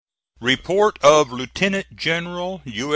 REPORT OF LIEUTENANT GENERAL U.